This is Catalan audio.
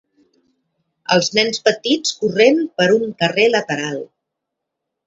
Els nens petits corrent per un carrer lateral.